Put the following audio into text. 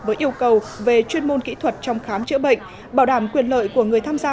với yêu cầu về chuyên môn kỹ thuật trong khám chữa bệnh bảo đảm quyền lợi của người tham gia